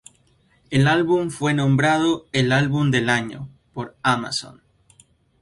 El álbum fue nombrado ""El Álbum del Año"" por Amazon.